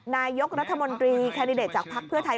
นายกรัฐมนตรีแคนดิเดตจากภักดิ์เพื่อไทย